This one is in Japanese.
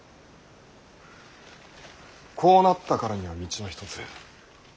こうなったからには道は一つ。